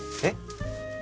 えっ？